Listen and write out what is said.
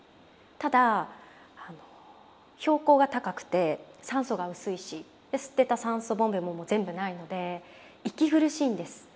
ただ標高が高くて酸素が薄いし吸ってた酸素ボンベも全部ないので息苦しいんです。